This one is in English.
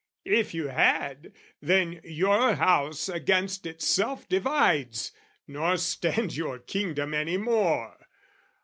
If you had, then your house against itself Divides, nor stands your kingdom any more.